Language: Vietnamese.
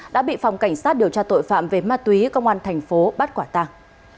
đã bị phòng cảnh sát điều tra tội phạm về ma túy công an thành phố bắt quả tàng